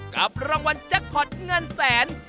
กับรางวัลจะขอดเงื่อนแสน